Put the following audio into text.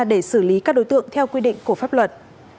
để xử lý các đối tượng theo quy định của pháp luật